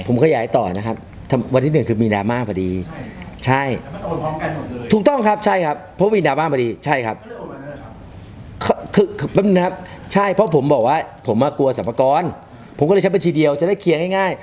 พี่บอกว่าผมกลัวสรรพากรผมก็เลยใช้บัญชีเดียวจะได้เคลียร์ง่าย